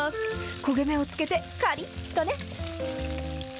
焦げ目をつけて、かりっとね。